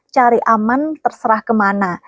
cari aman terserah kemana